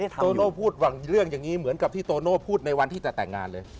โตโน่พูดหวังเรื่องอย่างนี้เหมือนกับที่โตโน่พูดในวันที่จะแต่งงานเลย